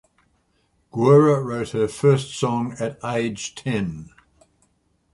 Guerra wrote her first song at age ten.